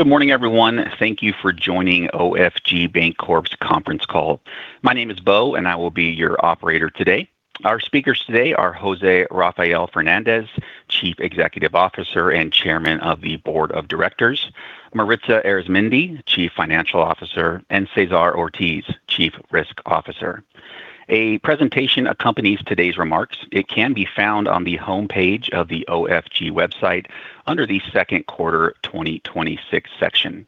Good morning, everyone. Thank you for joining OFG Bancorp's conference call. My name is Beau, and I will be your operator today. Our speakers today are José Rafael Fernández, Chief Executive Officer and Chairman of the Board of Directors, Maritza Arizmendi, Chief Financial Officer, and César Ortiz, Chief Risk Officer. A presentation accompanies today's remarks. It can be found on the homepage of the OFG website under the second quarter 2026 section.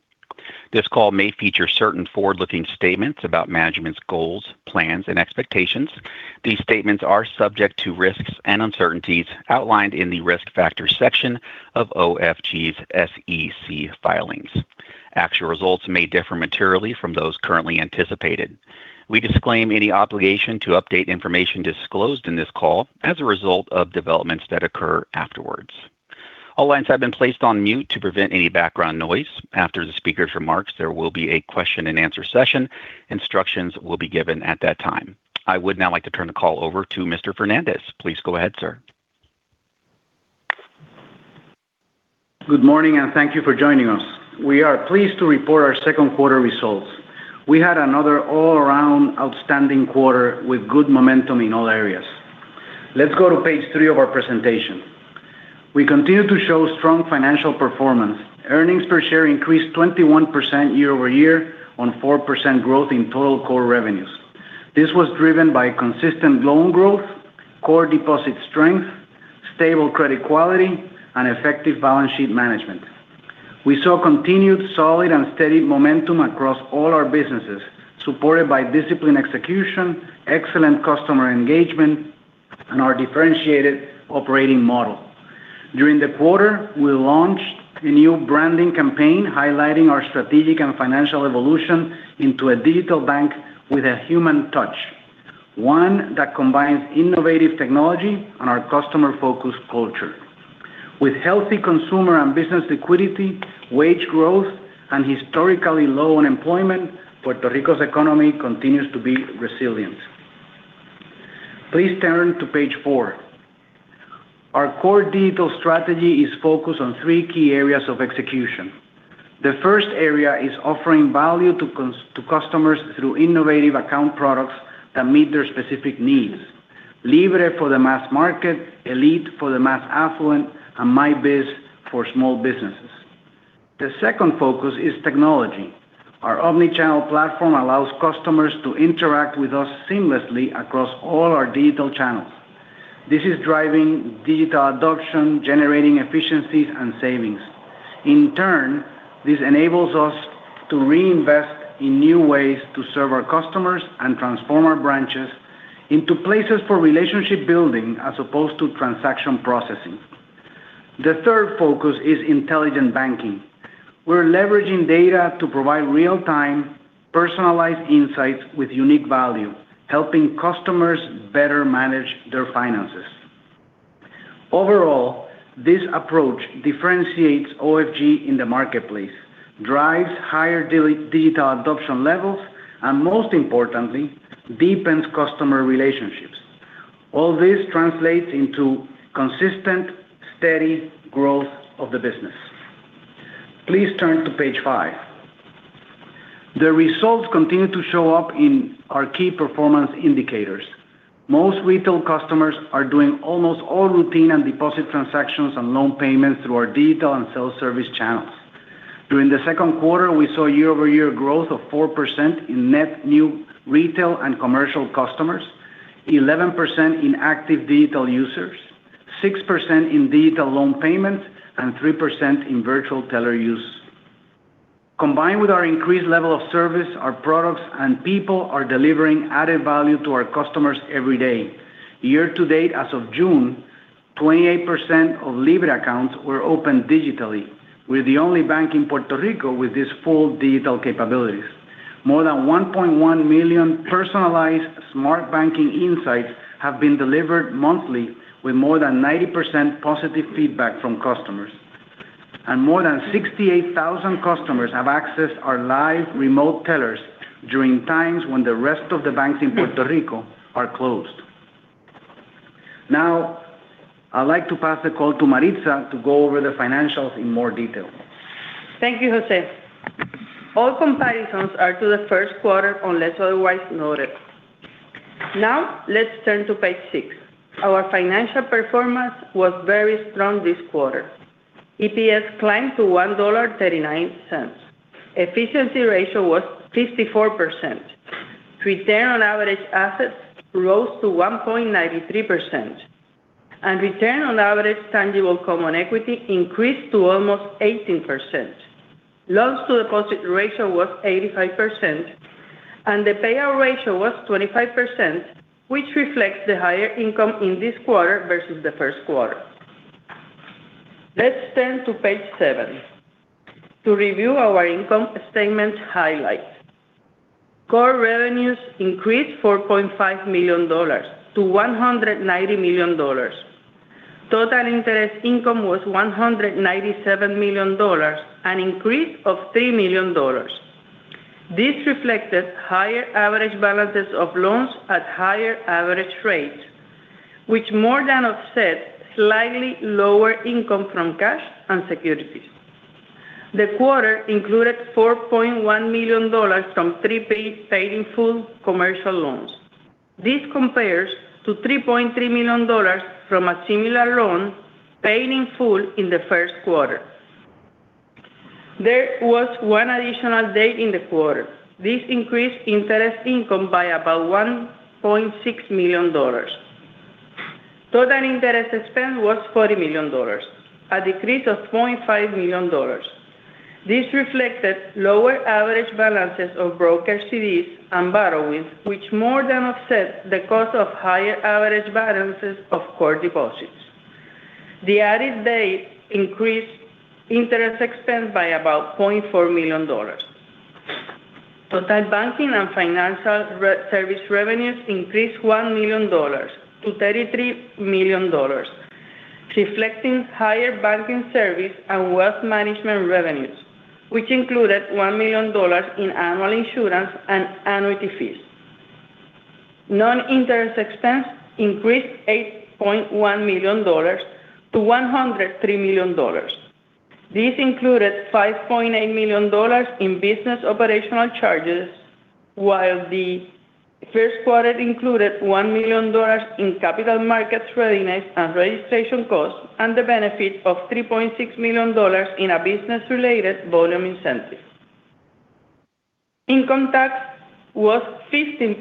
This call may feature certain forward-looking statements about management's goals, plans, and expectations. These statements are subject to risks and uncertainties outlined in the Risk Factors section of OFG's SEC filings. Actual results may differ materially from those currently anticipated. We disclaim any obligation to update information disclosed in this call as a result of developments that occur afterwards. All lines have been placed on mute to prevent any background noise. After the speakers' remarks, there will be a question-and-answer session. Instructions will be given at that time. I would now like to turn the call over to Mr. Fernández. Please go ahead, sir. Good morning. Thank you for joining us. We are pleased to report our second quarter results. We had another all-around outstanding quarter with good momentum in all areas. Let's go to page three of our presentation. We continue to show strong financial performance. Earnings per share increased 21% year-over-year on 4% growth in total core revenues. This was driven by consistent loan growth, core deposit strength, stable credit quality, and effective balance sheet management. We saw continued solid and steady momentum across all our businesses, supported by disciplined execution, excellent customer engagement, and our differentiated operating model. During the quarter, we launched a new branding campaign highlighting our strategic and financial evolution into a digital bank with a human touch, one that combines innovative technology and our customer-focused culture. With healthy consumer and business liquidity, wage growth, and historically low unemployment, Puerto Rico's economy continues to be resilient. Please turn to page four. Our core digital strategy is focused on three key areas of execution. The first area is offering value to customers through innovative account products that meet their specific needs. Libre for the mass market, Elite for the mass affluent, and My Biz for small businesses. The second focus is technology. Our omni-channel platform allows customers to interact with us seamlessly across all our digital channels. This is driving digital adoption, generating efficiencies, and savings. In turn, this enables us to reinvest in new ways to serve our customers and transform our branches into places for relationship building as opposed to transaction processing. The third focus is intelligent banking. We're leveraging data to provide real-time, personalized insights with unique value, helping customers better manage their finances. Overall, this approach differentiates OFG in the marketplace, drives higher digital adoption levels, and most importantly, deepens customer relationships. All this translates into consistent, steady growth of the business. Please turn to page five. The results continue to show up in our key performance indicators. Most retail customers are doing almost all routine and deposit transactions and loan payments through our digital and self-service channels. During the second quarter, we saw year-over-year growth of 4% in net new retail and commercial customers, 11% in active digital users, 6% in digital loan payments, and 3% in virtual teller use. Combined with our increased level of service, our products and people are delivering added value to our customers every day. Year to date as of June, 28% of Libre Accounts were opened digitally. We're the only bank in Puerto Rico with these full digital capabilities. More than 1.1 million personalized Smart Banking insights have been delivered monthly, with more than 90% positive feedback from customers. More than 68,000 customers have accessed our live remote tellers during times when the rest of the banks in Puerto Rico are closed. Now, I'd like to pass the call to Maritza to go over the financials in more detail. Thank you, José. All comparisons are to the first quarter unless otherwise noted. Let's turn to page six. Our financial performance was very strong this quarter. EPS climbed to $1.39. Efficiency ratio was 54%. Return on average assets rose to 1.93%, and return on average tangible common equity increased to almost 18%. Loans to deposit ratio was 85%, and the payout ratio was 25%, which reflects the higher income in this quarter versus the first quarter. Let's turn to page seven to review our income statement highlights. Core revenues increased $4.5 million to $190 million. Total interest income was $197 million, an increase of $3 million. This reflected higher average balances of loans at higher average rates, which more than offset slightly lower income from cash and securities. The quarter included $4.1 million from three paid in full commercial loans. This compares to $3.3 million from a similar loan paid in full in the first quarter. There was one additional date in the quarter. This increased interest income by about $1.6 million. Total interest expense was $40 million, a decrease of $0.5 million. This reflected lower average balances of brokered CDs and borrowings, which more than offset the cost of higher average balances of core deposits. The added date increased interest expense by about $0.4 million. Total banking and financial service revenues increased $1 million to $33 million, reflecting higher banking service and wealth management revenues, which included $1 million in annual insurance and annuity fees. Non-interest expense increased $8.1 million to $103 million. This included $5.8 million in business operational charges, while the first quarter included $1 million in capital markets readiness and registration costs and the benefit of $3.6 million in a business-related volume incentive. Income tax was $15.7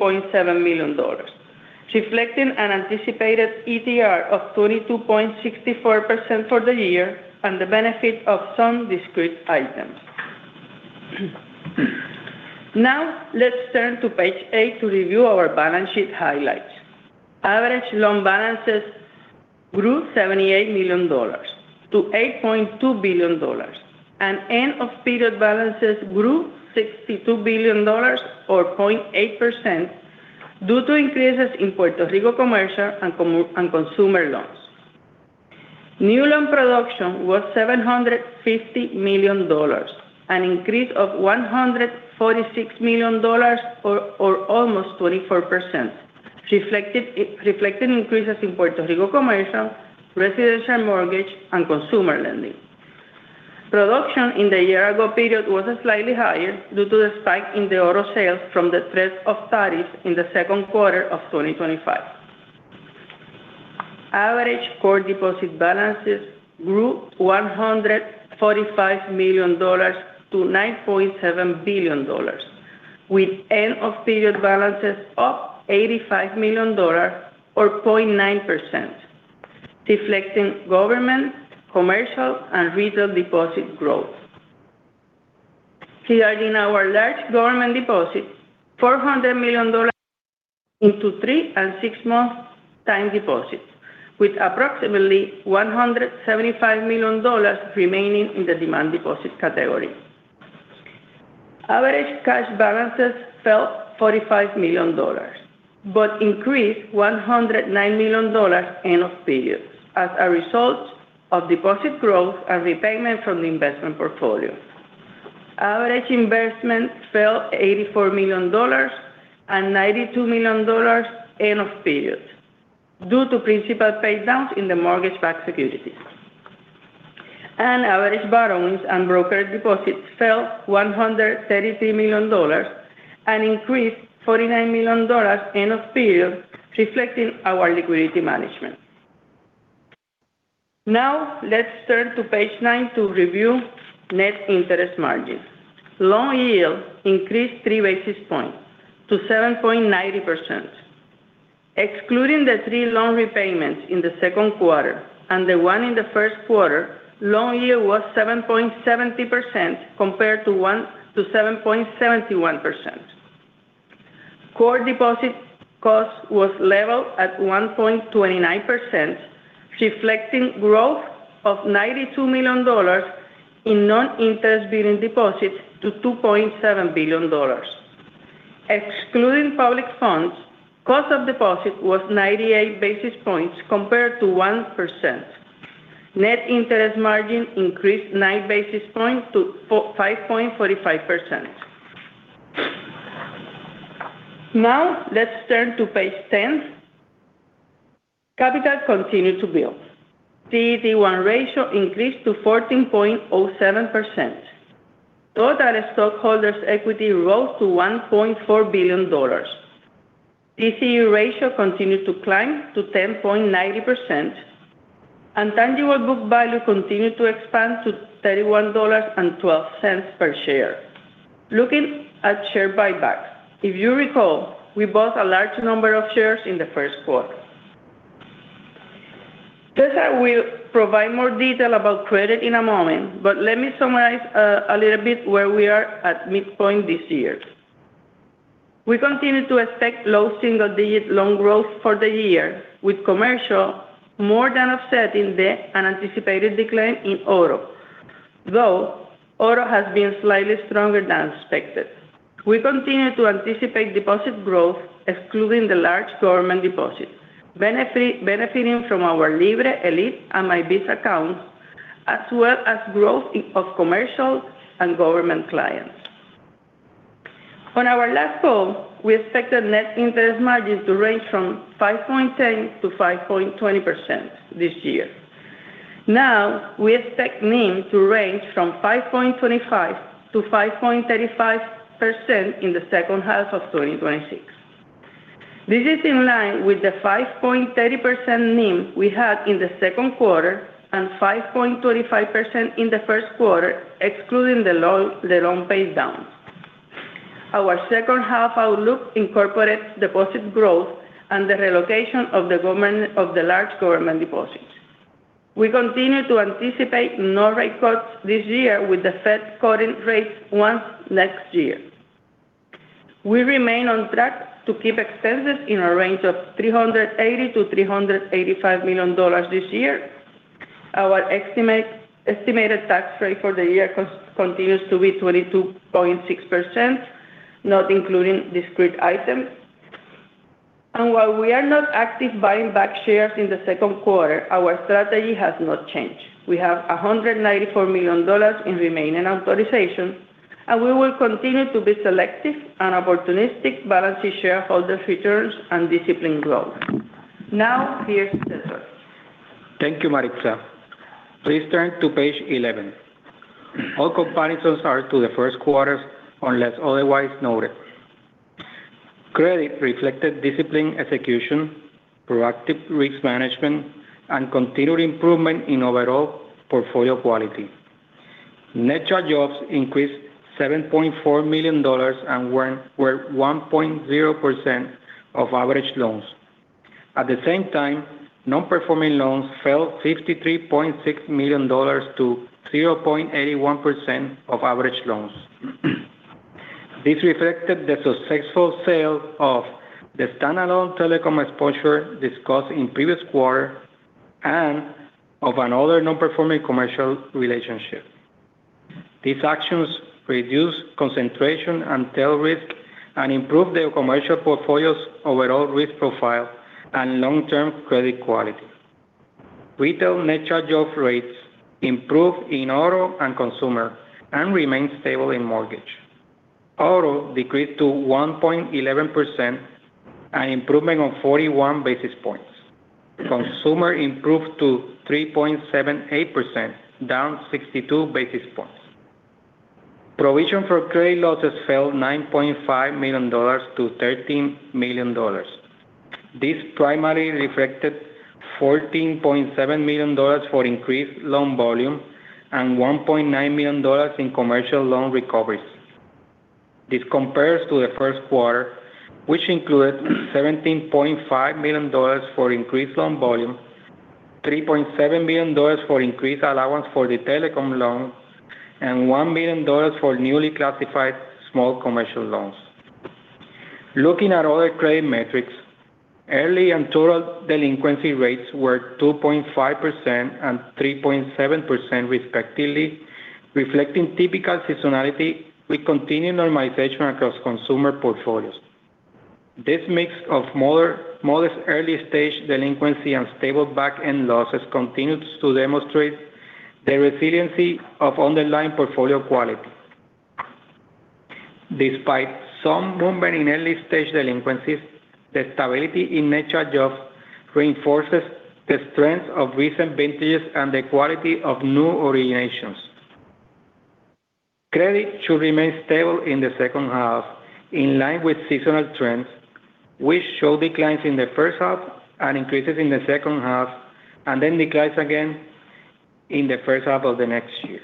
million, reflecting an anticipated ETR of 22.64% for the year and the benefit of some discrete items. Now let's turn to page eight to review our balance sheet highlights. Average loan balances grew $78 million to $8.2 billion. End of period balances grew $62 million, or 0.8%, due to increases in Puerto Rico commercial and consumer loans. New loan production was $750 million, an increase of $146 million or almost 24%, reflecting increases in Puerto Rico commercial, residential mortgage, and consumer lending. Production in the year ago period was slightly higher due to the spike in the auto sales from the threat of tariffs in the second quarter of 2025. Average core deposit balances grew $145 million to $9.7 billion with end of period balances up $85 million or 0.9%, reflecting government, commercial, and retail deposit growth. Regarding our large government deposits, $400 million into three and six-month time deposits with approximately $175 million remaining in the demand deposit category. Average cash balances fell $45 million but increased $109 million end of period as a result of deposit growth and repayment from the investment portfolio. Average investments fell $84 million and $92 million end of period due to principal paydowns in the mortgage-backed securities. Average borrowings and brokered deposits fell $133 million and increased $49 million end of period, reflecting our liquidity management. Now let's turn to page nine to review net interest margin. Loan yield increased three basis points to 7.90%. Excluding the three loan repayments in the second quarter and the one in the first quarter, loan yield was 7.70% compared to 7.71%. Core deposit cost was level at 1.29%, reflecting growth of $92 million in non-interest bearing deposits to $2.7 billion. Excluding public funds, cost of deposit was 98 basis points compared to 1%. Net interest margin increased nine basis points to 5.45%. Now let's turn to page 10. Capital continued to build. CET1 ratio increased to 14.07%. Total stockholders' equity rose to $1.4 billion. TCE ratio continued to climb to 10.90%, and tangible book value continued to expand to $31.12 per share. Looking at share buybacks, if you recall, we bought a large number of shares in the first quarter. Cesar will provide more detail about credit in a moment, but let me summarize a little bit where we are at midpoint this year. We continue to expect low single-digit loan growth for the year. Commercial more than offsetting the unanticipated decline in auto, though auto has been slightly stronger than expected. We continue to anticipate deposit growth, excluding the large government deposits. Benefiting from our Libre, Elite, and My Biz accounts as well as growth of commercial and government clients. On our last call, we expected net interest margins to range from 5.10%-5.20% this year. Now, we expect NIM to range from 5.25%-5.35% in the second half of 2026. This is in line with the 5.30% NIM we had in the second quarter and 5.25% in the first quarter, excluding the loan paydowns. Our second half outlook incorporates deposit growth and the relocation of the large government deposits. We continue to anticipate no rate cuts this year with the Fed cutting rates once next year. We remain on track to keep expenses in a range of $380 million-$385 million this year. Our estimated tax rate for the year continues to be 22.6%, not including discrete items. While we are not actively buying back shares in the second quarter, our strategy has not changed. We have $194 million in remaining authorization, and we will continue to be selective and opportunistic balancing shareholder returns and disciplined growth. Now, here's César. Thank you, Maritza. Please turn to page 11. All comparisons are to the first quarter unless otherwise noted. Credit reflected disciplined execution, proactive risk management, and continued improvement in overall portfolio quality. Net charge-offs increased $7.4 million and were 1.0% of average loans. At the same time, non-performing loans fell $53.6 million to 0.81% of average loans. This reflected the successful sale of the standalone telecom exposure discussed in previous quarter and of another non-performing commercial relationship. These actions reduce concentration and tail risk and improve the commercial portfolio's overall risk profile and long-term credit quality. Retail net charge-off rates improved in auto and consumer and remained stable in mortgage. Auto decreased to 1.11%, an improvement on 41 basis points. Consumer improved to 3.78%, down 62 basis points. Provision for credit losses fell $9.5 million to $13 million. This primarily reflected $14.7 million for increased loan volume and $1.9 million in commercial loan recoveries. This compares to the first quarter, which included $17.5 million for increased loan volume, $3.7 million for increased allowance for the telecom loan, and $1 million for newly classified small commercial loans. Looking at other credit metrics, early and total delinquency rates were 2.5% and 3.7% respectively, reflecting typical seasonality with continued normalization across consumer portfolios. This mix of modest early-stage delinquency and stable back-end losses continues to demonstrate the resiliency of underlying portfolio quality. Despite some movement in early-stage delinquencies, the stability in net charge-offs reinforces the strength of recent vintages and the quality of new originations. Credit should remain stable in the second half, in line with seasonal trends, which show declines in the first half and increases in the second half, and then declines again in the first half of the next year.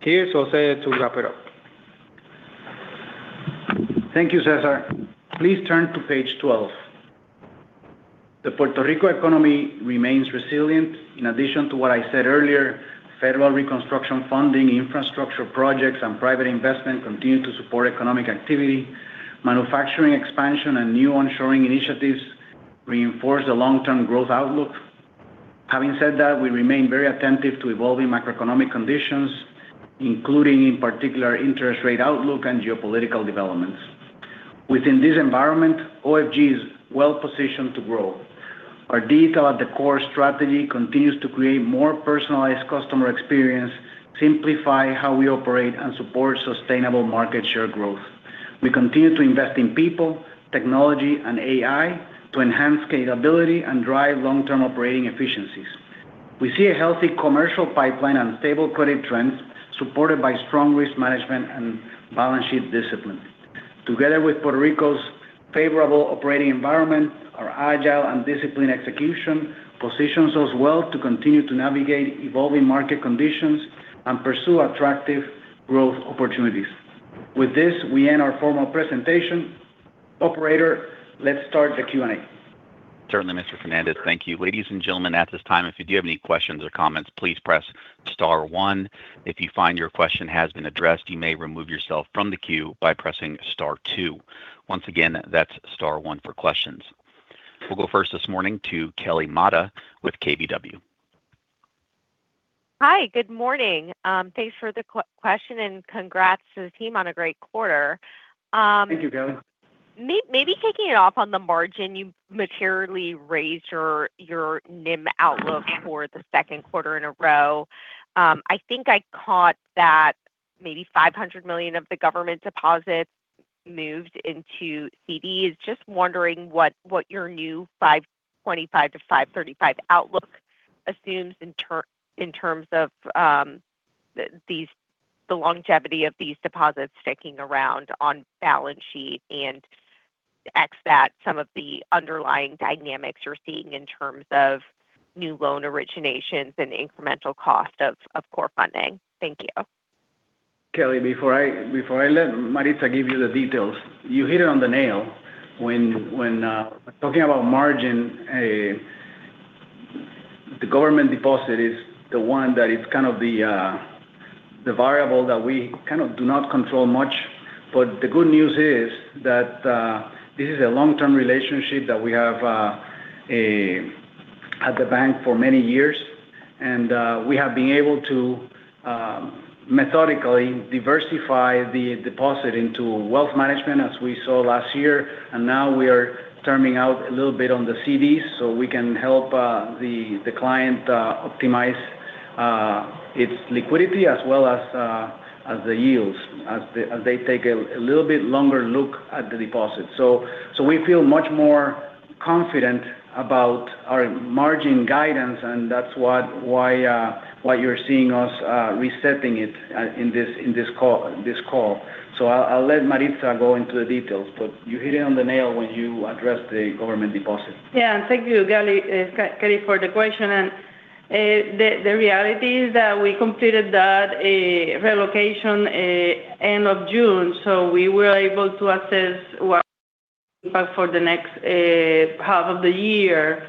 Here's José to wrap it up. Thank you, César. Please turn to page 12. The Puerto Rico economy remains resilient. In addition to what I said earlier, federal reconstruction funding, infrastructure projects, and private investment continue to support economic activity. Manufacturing expansion and new onshoring initiatives reinforce the long-term growth outlook. Having said that, we remain very attentive to evolving macroeconomic conditions, including in particular interest rate outlook and geopolitical developments. Within this environment, OFG is well positioned to grow. Our digital at the core strategy continues to create more personalized customer experience, simplify how we operate, and support sustainable market share growth. We continue to invest in people, technology, and AI to enhance scalability and drive long-term operating efficiencies. We see a healthy commercial pipeline and stable credit trends supported by strong risk management and balance sheet discipline. Together with Puerto Rico's favorable operating environment, our agile and disciplined execution positions us well to continue to navigate evolving market conditions and pursue attractive growth opportunities. With this, we end our formal presentation. Operator, let's start the Q&A. Certainly, Mr. Fernández. Thank you. Ladies and gentlemen, at this time, if you do have any questions or comments, please press star one. If you find your question has been addressed, you may remove yourself from the queue by pressing star two. Once again, that's star one for questions. We'll go first this morning to Kelly Motta with KBW. Hi, good morning. Thanks for the question and congrats to the team on a great quarter. Thank you, Kelly. Kicking it off on the margin, you materially raised your NIM outlook for the second quarter in a row. I think I caught that $500 million of the government deposits moved into CDs. Just wondering what your new 5.25%-5.35% outlook assumes in terms of the longevity of these deposits sticking around on the balance sheet, and x that some of the underlying dynamics you're seeing in terms of new loan originations and incremental cost of core funding. Thank you. Kelly, before I let Maritza give you the details, you hit it on the nail when talking about margin. The government deposit is the one that is kind of the variable that we kind of do not control much. The good news is that this is a long-term relationship that we have had at the bank for many years. We have been able to methodically diversify the deposit into wealth management as we saw last year. Now we are terming out a little bit on the CDs so we can help the client optimize its liquidity as well as the yields as they take a little bit longer look at the deposit. We feel much more confident about our margin guidance, and that's why you're seeing us resetting it in this call. I'll let Maritza go into the details, but you hit it on the nail when you addressed the government deposit. Yeah. Thank you, Kelly, for the question. The reality is that we completed that relocation end of June. We were able to assess what for the next half of the year.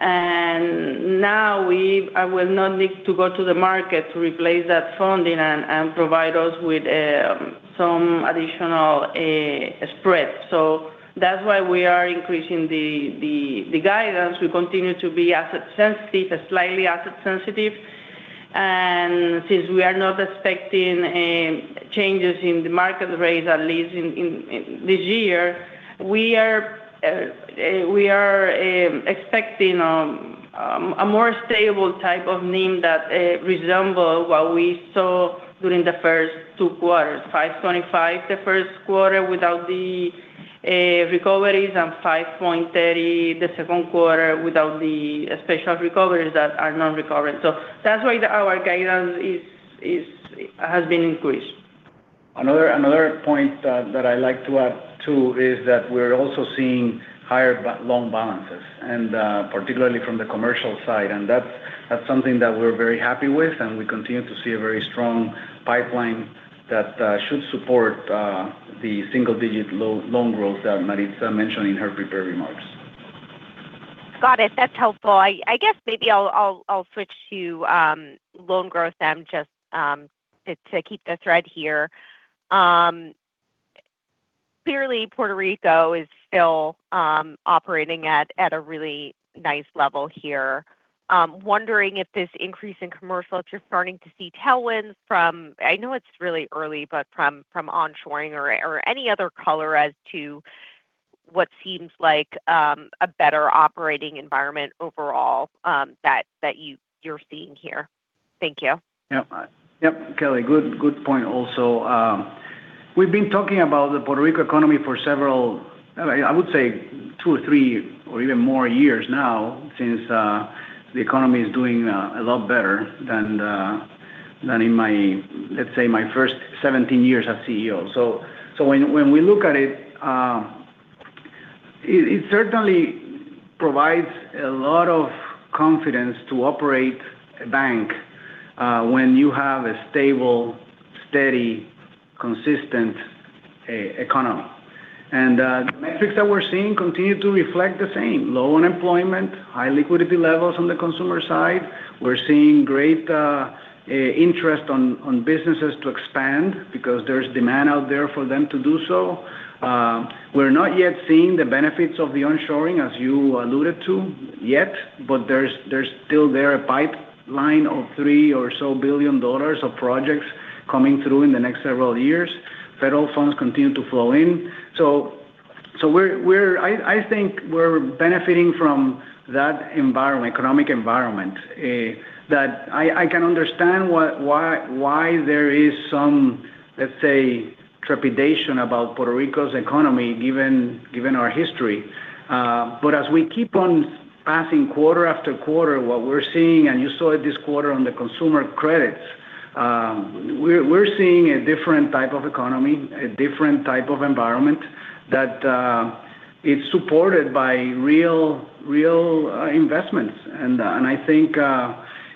Now we will not need to go to the market to replace that funding and provide us with some additional spread. That's why we are increasing the guidance. We continue to be asset sensitive, slightly asset sensitive. Since we are not expecting changes in the market rates, at least this year, we are expecting a more stable type of NIM that resembles what we saw during the first two quarters, 5.25% the first quarter without the recoveries and 5.30% the second quarter without the special recoveries that are non-recurring. That's why our guidance has been increased. Another point that I'd like to add too is that we're also seeing higher loan balances, and particularly from the commercial side. That's something that we're very happy with, and we continue to see a very strong pipeline that should support the single-digit loan growth that Maritza mentioned in her prepared remarks. Got it. That's helpful. I guess maybe I'll switch to loan growth then just to keep the thread here. Clearly, Puerto Rico is still operating at a really nice level here. I'm wondering if this increase in commercial, if you're starting to see tailwinds from I know it's really early, but from onshoring or any other color as to what seems like a better operating environment overall that you're seeing here. Thank you. Yep. Kelly, good point also. We've been talking about the Puerto Rico economy for several, I would say two or three or even more years now since the economy is doing a lot better than in my, let's say my first 17 years as CEO. When we look at it certainly provides a lot of confidence to operate a bank when you have a stable, steady, consistent economy. The metrics that we're seeing continue to reflect the same. Low unemployment, high liquidity levels on the consumer side. We're seeing great interest on businesses to expand because there's demand out there for them to do so. We're not yet seeing the benefits of the onshoring as you alluded to yet, but there's still there a pipeline of $3 billion or so of projects coming through in the next several years. Federal funds continue to flow in. I think we're benefiting from that economic environment. I can understand why there is some, let's say, trepidation about Puerto Rico's economy given our history. As we keep on passing quarter after quarter, what we're seeing, and you saw it this quarter on the consumer credits, we're seeing a different type of economy, a different type of environment that is supported by real investments. I think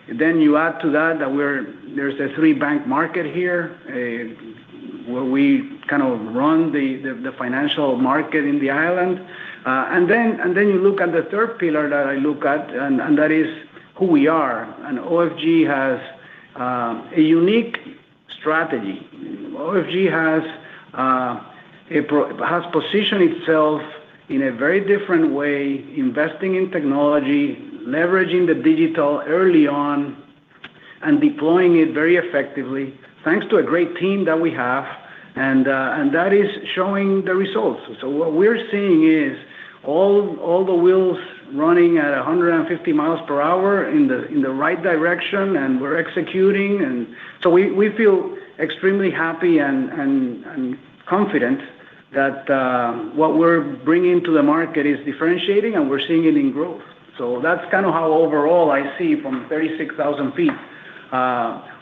then you add to that there's a three-bank market here where we kind of run the financial market in the island. Then you look at the third pillar that I look at, and that is who we are. OFG has a unique strategy. OFG has positioned itself in a very different way, investing in technology, leveraging the digital early on. Deploying it very effectively thanks to a great team that we have, and that is showing the results. What we're seeing is all the wheels running at 150 miles per hour in the right direction, and we're executing. We feel extremely happy and confident that what we're bringing to the market is differentiating, and we're seeing it in growth. That's kind of how overall I see from 36,000 feet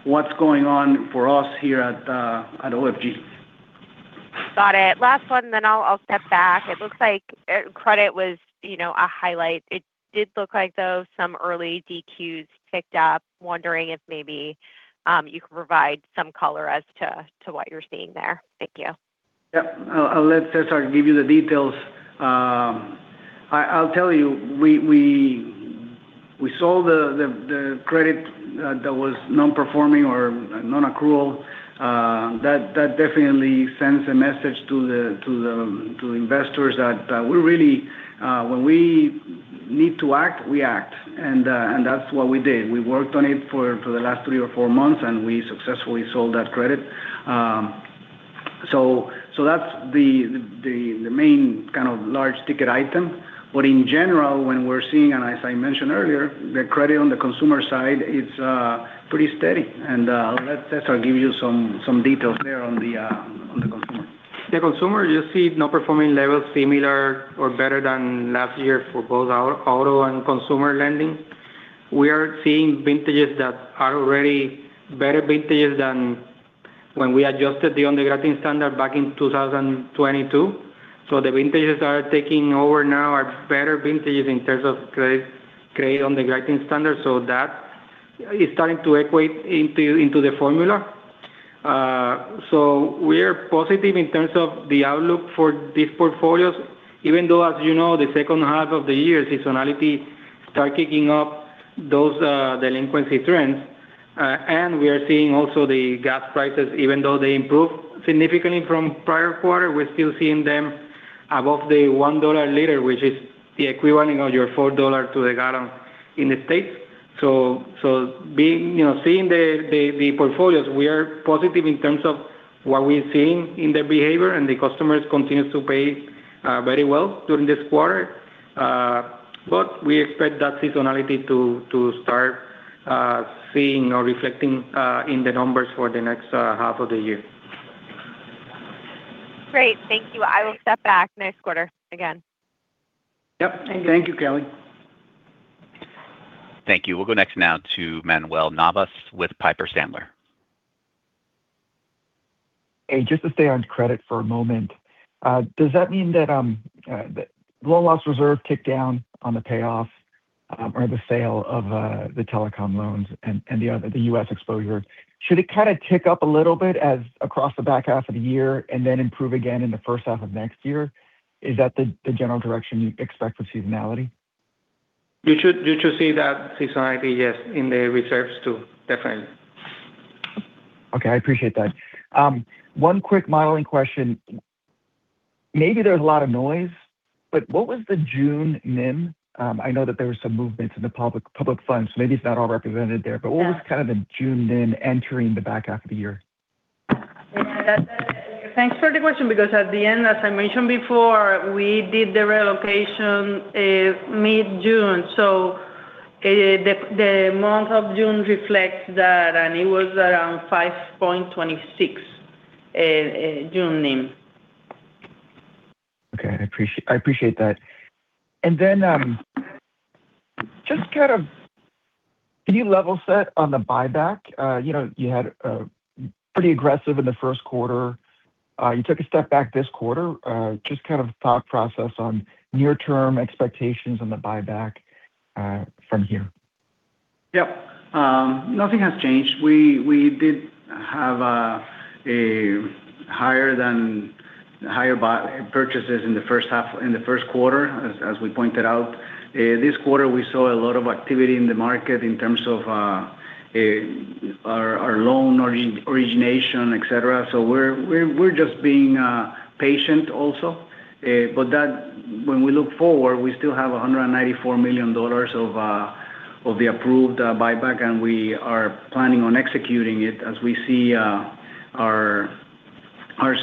what's going on for us here at OFG. Got it. Last one, then I'll step back. It looks like credit was a highlight. It did look like, though, some early DQs picked up. Wondering if maybe you could provide some color as to what you're seeing there. Thank you. Yep. I'll let Cesar give you the details. I'll tell you, we sold the credit that was non-performing or non-accrual. That definitely sends a message to investors that we're really, when we need to act, we act. That's what we did. We worked on it for the last three or four months, and we successfully sold that credit. That's the main kind of large ticket item. In general, when we're seeing, and as I mentioned earlier, the credit on the consumer side is pretty steady. I'll let Cesar give you some details there on the consumer. The consumer, you see non-performing levels similar or better than last year for both auto and consumer lending. We are seeing vintages that are already better vintages than when we adjusted the underwriting standard back in 2022. The vintages that are taking over now are better vintages in terms of credit underwriting standards. That is starting to equate into the formula. We are positive in terms of the outlook for these portfolios even though, as you know, the second half of the year, seasonality starts kicking up those delinquency trends. We are seeing also the gas prices, even though they improved significantly from prior quarter, we're still seeing them above the $1 liter, which is the equivalent of your $4 to the gallon in the States. Seeing the portfolios, we are positive in terms of what we're seeing in the behavior, and the customers continue to pay very well during this quarter. We expect that seasonality to start seeing or reflecting in the numbers for the next half of the year. Great. Thank you. I will step back next quarter again. Yep. Thank you, Kelly. Thank you. We'll go next now to Manuel Navas with Piper Sandler. Hey, just to stay on credit for a moment. Does that mean that loan loss reserve ticked down on the payoff or the sale of the telecom loans and the U.S. exposure? Should it kind of tick up a little bit as across the back half of the year and then improve again in the first half of next year? Is that the general direction you expect with seasonality? You should see that seasonality, yes, in the reserves, too, definitely. Okay. I appreciate that. One quick modeling question. Maybe there's a lot of noise, but what was the June NIM? I know that there was some movement to the public funds, so maybe it's not all represented there. Yeah What was kind of the June NIM entering the back half of the year? Yeah. Thanks for the question because at the end, as I mentioned before, we did the relocation mid-June, so the month of June reflects that, and it was around 5.26 in June NIM. Okay. I appreciate that. Then just kind of can you level set on the buyback? You had pretty aggressive in the first quarter. You took a step back this quarter. Just kind of thought process on near-term expectations on the buyback from here. Yep. Nothing has changed. We did have higher purchases in the first quarter, as we pointed out. This quarter, we saw a lot of activity in the market in terms of our loan origination, et cetera. We're just being patient also. When we look forward, we still have $194 million of the approved buyback, and we are planning on executing it as we see our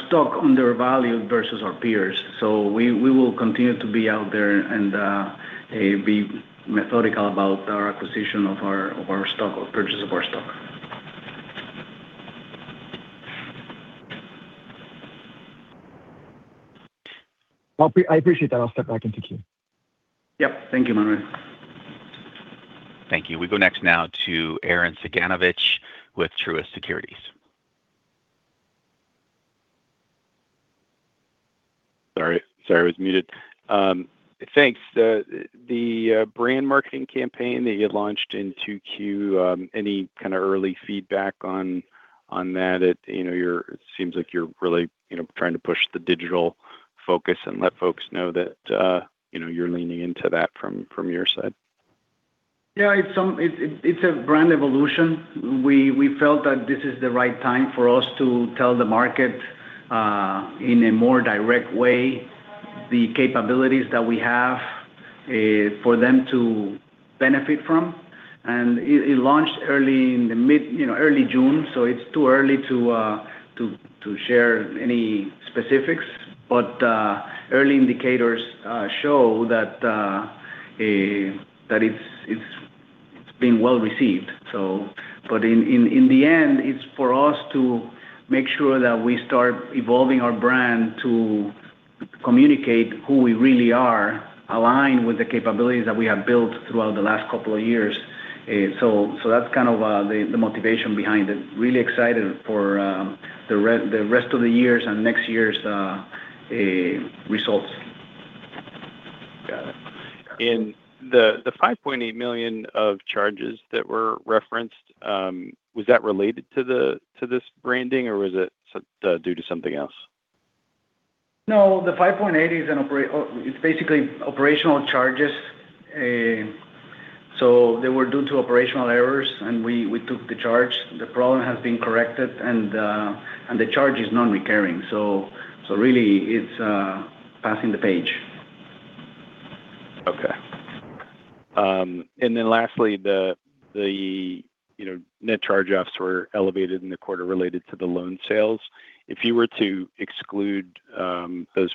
stock undervalued versus our peers. We will continue to be out there and be methodical about our acquisition of our stock or purchase of our stock. I appreciate that. I'll step back and take cue. Yep. Thank you, Manuel. Thank you. We go next now to Arren Cyganovich with Truist Securities. Sorry, I was muted. Thanks. The brand marketing campaign that you launched in 2Q, any kind of early feedback on that? It seems like you're really trying to push the digital focus and let folks know that you're leaning into that from your side. Yeah, it's a brand evolution. We felt that this is the right time for us to tell the market in a more direct way The capabilities that we have for them to benefit from. It launched early in June, so it's too early to share any specifics. Early indicators show that it's been well-received. In the end, it's for us to make sure that we start evolving our brand to communicate who we really are, aligned with the capabilities that we have built throughout the last couple of years. That's kind of the motivation behind it. Really excited for the rest of the year and next year's results. Got it. The $5.8 million of charges that were referenced, was that related to this branding, or was it due to something else? No, the $5.8 is basically operational charges. They were due to operational errors, and we took the charge. The problem has been corrected, and the charge is non-recurring. Really, it's passing the page. Okay. Then lastly, the net charge-offs were elevated in the quarter related to the loan sales. If you were to exclude those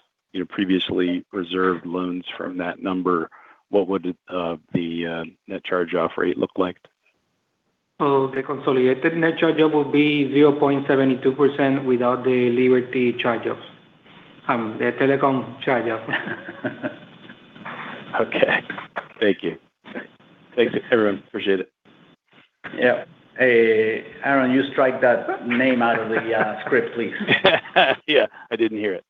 previously reserved loans from that number, what would the net charge-off rate look like? Oh, the consolidated net charge-off will be 0.72% without the Liberty charge-offs. The telecom charge-offs. Okay. Thank you. Thanks, everyone. Appreciate it. Yeah. Arren, you strike that name out of the script, please. Yeah. I didn't hear it.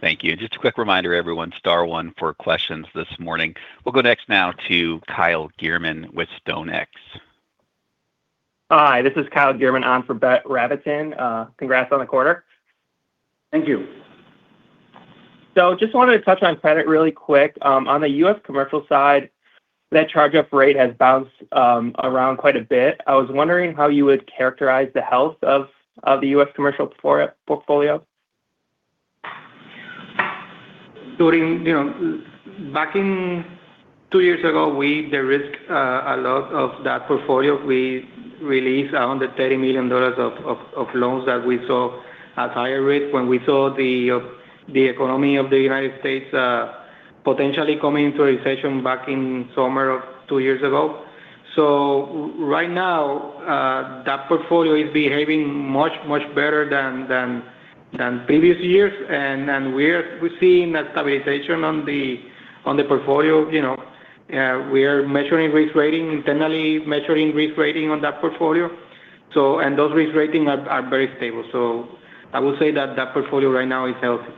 Thank you. Just a quick reminder, everyone, star one for questions this morning. We'll go next now to Kyle Gierman with StoneX. Hi, this is Kyle Gierman on for Brett Rabatin. Congrats on the quarter. Thank you. Just wanted to touch on credit really quick. On the U.S. commercial side, net charge-off rate has bounced around quite a bit. I was wondering how you would characterize the health of the U.S. commercial portfolio. Back in two years ago, the risk, a lot of that portfolio, we released around $30 million of loans that we saw at higher risk when we saw the economy of the United States potentially coming into a recession back in summer of two years ago. Right now, that portfolio is behaving much, much better than previous years, and we're seeing a stabilization on the portfolio. We are internally measuring risk rating on that portfolio. Those risk rating are very stable. I would say that that portfolio right now is healthy.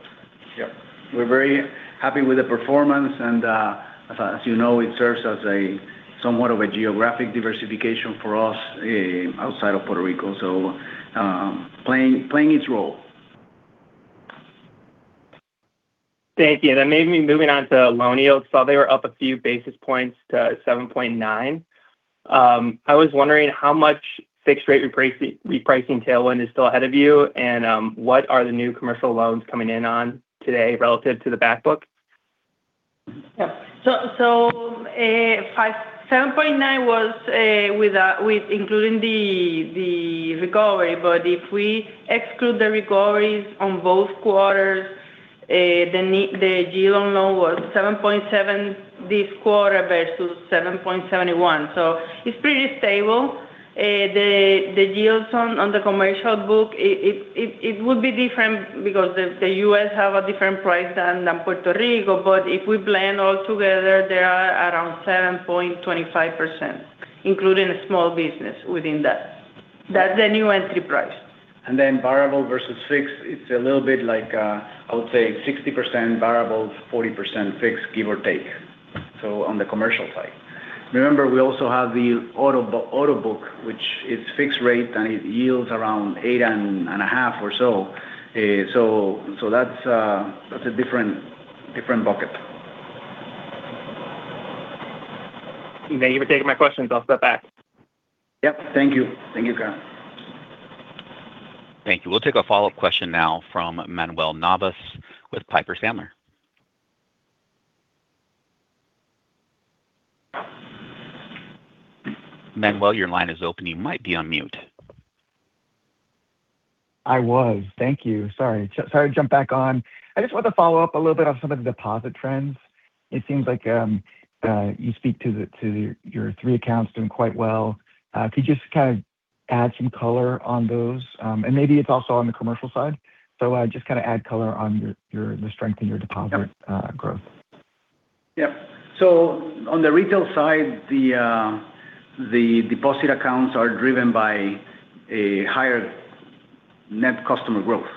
Yeah. We're very happy with the performance, and as you know, it serves as somewhat of a geographic diversification for us outside of Puerto Rico, so playing its role. Thank you. Moving on to loan yields, saw they were up a few basis points to 7.9. I was wondering how much fixed rate repricing tailwind is still ahead of you, and what are the new commercial loans coming in on today relative to the back book? Yeah. 7.9 was including the recovery. If we exclude the recoveries on both quarters, the deal alone was 7.7 this quarter versus 7.71, so it's pretty stable. The deals on the commercial book, it would be different because the U.S. have a different price than Puerto Rico. If we blend all together, they are around 7.25%, including small business within that. That's the new entry price. Variable versus fixed, it's a little bit like, I would say 60% variable, 40% fixed, give or take. On the commercial side. Remember, we also have the auto book, which is fixed rate and it yields around eight and a half or so. That's a different bucket. Thank you for taking my questions. I'll step back. Yep. Thank you. Thank you, Kyle. Thank you. We'll take a follow-up question now from Manuel Navas with Piper Sandler. Manuel, your line is open. You might be on mute. I was. Thank you. Sorry. Sorry to jump back on. I just wanted to follow up a little bit on some of the deposit trends. It seems like you speak to your three accounts doing quite well. Could you just kind of add some color on those? Maybe it's also on the commercial side. Just kind of add color on the strength in your deposit growth. Yep. On the retail side, the deposit accounts are driven by a higher net customer growth.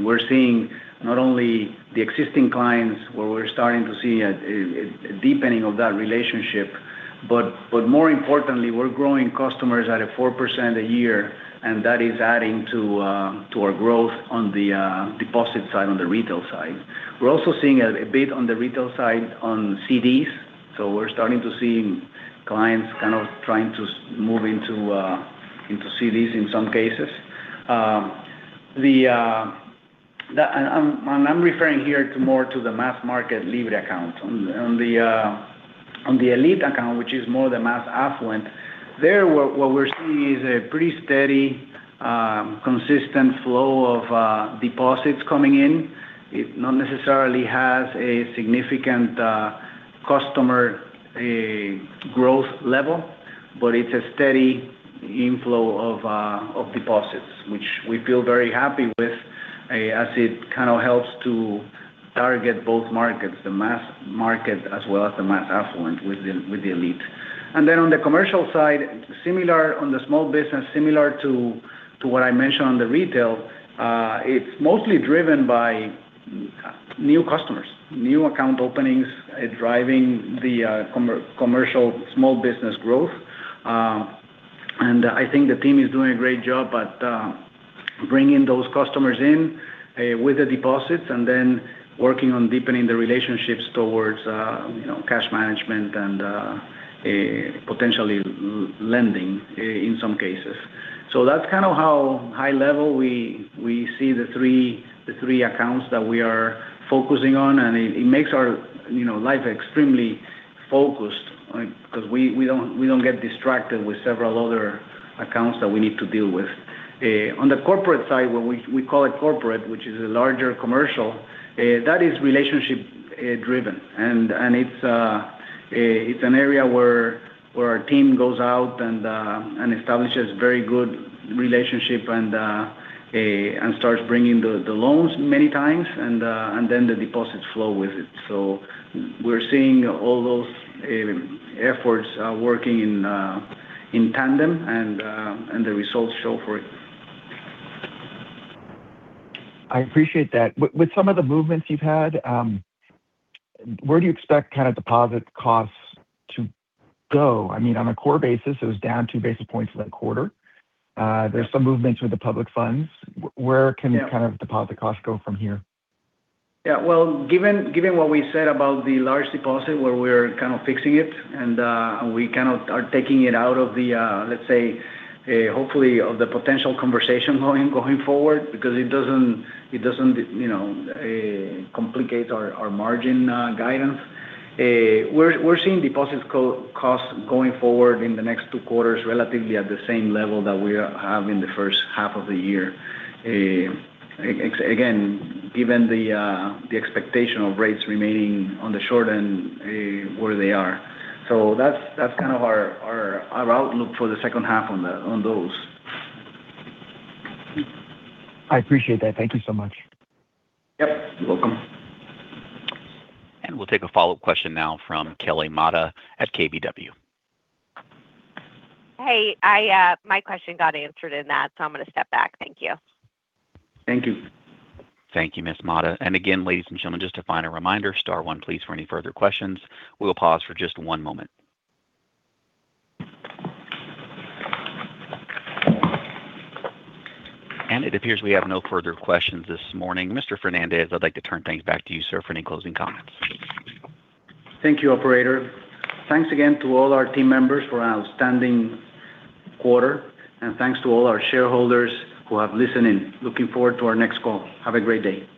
We're seeing not only the existing clients where we're starting to see a deepening of that relationship, but more importantly, we're growing customers at a 4% a year, and that is adding to our growth on the deposit side, on the retail side. We're also seeing a bit on the retail side on CDs. We're starting to see Clients kind of trying to move into CDs in some cases. I'm referring here more to the mass market Libre Account. On the Elite Account, which is more the mass affluent, there what we're seeing is a pretty steady consistent flow of deposits coming in. It not necessarily has a significant customer growth level, but it's a steady inflow of deposits, which we feel very happy with as it kind of helps to target both markets, the mass market as well as the mass affluent with the Elite. Then on the commercial side, on the small business, similar to what I mentioned on the retail, it's mostly driven by new customers. New account openings driving the commercial small business growth. I think the team is doing a great job at bringing those customers in with the deposits and then working on deepening the relationships towards cash management and potentially lending in some cases. That's kind of how high level we see the three accounts that we are focusing on, and it makes our life extremely focused because we don't get distracted with several other accounts that we need to deal with. On the corporate side, we call it corporate, which is a larger commercial, that is relationship driven. It's an area where our team goes out and establishes very good relationship and starts bringing the loans many times, and then the deposits flow with it. We're seeing all those efforts working in tandem and the results show for it. I appreciate that. With some of the movements you've had, where do you expect deposit costs to go? On a core basis, it was down two basis points for that quarter. There's some movements with the public funds. Where can deposit costs go from here? Well, given what we said about the large deposit where we're kind of fixing it and we kind of are taking it out of the, let's say, hopefully of the potential conversation going forward because it doesn't complicate our margin guidance. We're seeing deposit costs going forward in the next two quarters relatively at the same level that we have in the first half of the year. Again, given the expectation of rates remaining on the short end where they are. That's kind of our outlook for the second half on those. I appreciate that. Thank you so much. Yep. You're welcome. We'll take a follow-up question now from Kelly Motta at KBW. Hey, my question got answered in that, so I'm going to step back. Thank you. Thank you. Thank you, Ms. Motta. Again, ladies and gentlemen, just a final reminder, star one please for any further questions. We will pause for just one moment. It appears we have no further questions this morning. Mr. Fernández, I'd like to turn things back to you, sir, for any closing comments. Thank you, operator. Thanks again to all our team members for an outstanding quarter, thanks to all our shareholders who have listened in. Looking forward to our next call. Have a great day.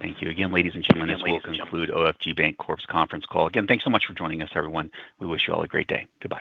Thank you again, ladies and gentlemen. Thanks, operator. This will conclude OFG Bancorp's conference call. Again, thanks so much for joining us, everyone. We wish you all a great day. Goodbye.